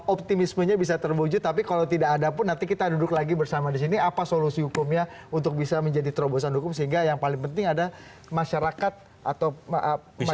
optimismenya bisa terwujud tapi kalau tidak ada pun nanti kita duduk lagi bersama di sini apa solusi hukumnya untuk bisa menjadi terobosan hukum sehingga yang paling penting ada masyarakat atau masyarakat